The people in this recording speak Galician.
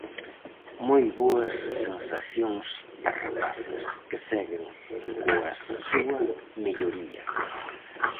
Moi boas sensacións das rapazas, que seguen coas súa melloría.